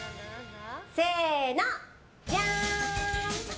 せーの、じゃーん。